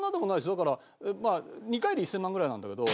だから２回で１０００万ぐらいなんだけど。